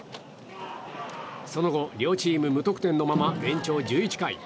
その後、両チーム無得点のまま延長１１回。